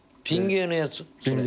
ピン芸のやつ？